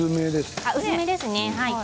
薄めですね。